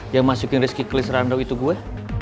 yang masukin rizky klins rundown itu gue